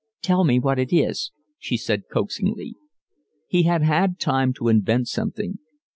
"Tell me what it is," she said coaxingly. He had had time to invent something.